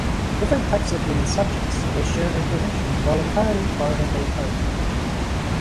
Different types of human subjects will share information voluntarily or involuntarily.